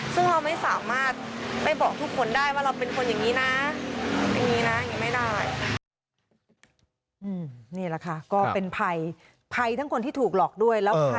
ซึ่งเราไม่สามารถไปบอกทุกคนได้ว่าเราเป็นคนอย่างนี้นะ